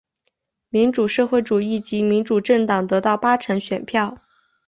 民主社会主义及民主政党得到八成选票。